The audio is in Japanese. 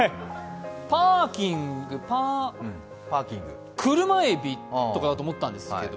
パーキング、車えびとかだと思ったんですけど